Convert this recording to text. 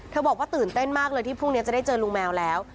บอกว่าตื่นเต้นมากเลยที่พรุ่งนี้จะได้เจอลุงแมวแล้ว